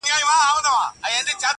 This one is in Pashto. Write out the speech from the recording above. اوس د شپې سوي خوبونه زما بدن خوري,